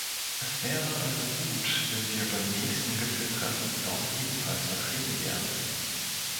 Es wäre also gut, wenn wir beim nächsten Gipfeltreffen dort ebenfalls vertreten wären.